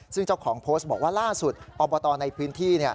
ซึ่งเจ้าของโพสต์บอกว่าล่าสุดอบตในพื้นที่